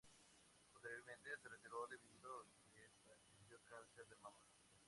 Posteriormente, se retiró debido a que padeció cáncer de mama.